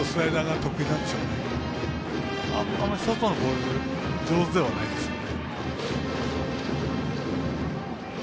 あんまり外のボール上手ではないですよね。